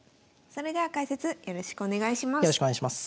それでは解説よろしくお願いします。